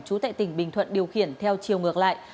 chú tại tỉnh bình thuận điều khiển theo chiều ngược lại